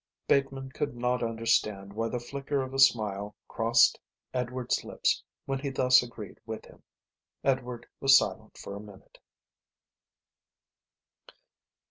Bateman could not understand why the flicker of a smile crossed Edward's lips when he thus agreed with him. Edward was silent for a minute.